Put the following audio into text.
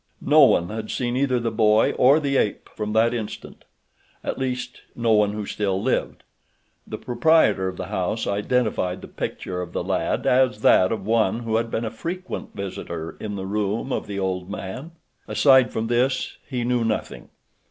No one had seen either the boy or the ape from that instant—at least no one who still lived. The proprietor of the house identified the picture of the lad as that of one who had been a frequent visitor in the room of the old man. Aside from this he knew nothing.